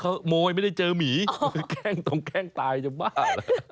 ขโมยไม่ได้เจอหมีต้องแกล้งตายจบบ้า